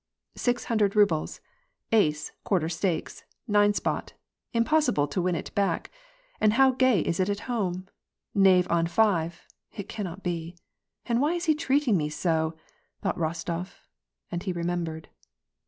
<^Six hundred rubles, ace, quarter^akes, nine spot — im possible to win it back — and how gay it is at home !— Knave on five — it cannot be. — And why is he treating me so?" thought Eostof, and he remembered.